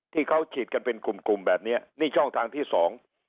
ที่เขาฉีดกันเป็นกลุ่มกลุ่มแบบเนี้ยนี่ช่องทางที่สอง